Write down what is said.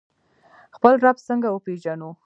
خپل رب څنګه وپیژنو؟